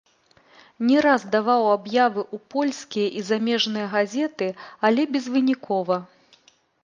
Не раз даваў аб'явы ў польскія і замежныя газеты, але безвынікова.